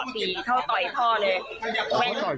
พ่อเห็นว่าลูกพ่อก็ออกมาช่วยกัน